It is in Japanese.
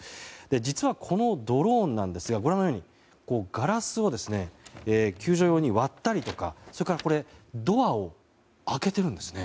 実は、このドローンなんですがご覧のように、ガラスを救助用に割ったりとかそれからドアを開けているんです。